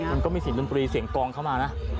มันก็มีเสียงดนตรีเสียงกองเข้ามานะ